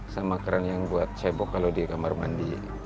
sama keran yang buat cebok kalau di kamar mandi